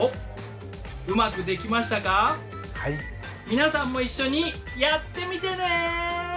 皆さんも一緒にやってみてね。